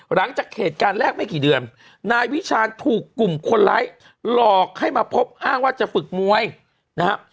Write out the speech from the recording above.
หลังจากเหตุการณ์แรกไม่กี่เดือนนายวิชาณถูกกลุ่มคนร้ายหลอกให้มาพบอ้างว่าจะฝึกมวยนะครับ